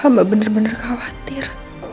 amba bener bener khawatir